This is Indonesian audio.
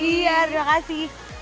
iya terima kasih